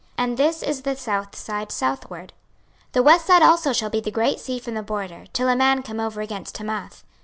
And this is the south side southward. 26:047:020 The west side also shall be the great sea from the border, till a man come over against Hamath.